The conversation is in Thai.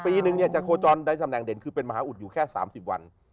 เปี๋น๑ปีก็จะโทชนได้ทำแหน่งเด่นคือเป็นมหาอุทธิ์อยู่แค่๓๐วัน